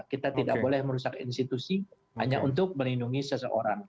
kita tidak boleh merusak institusi hanya untuk melindungi seseorang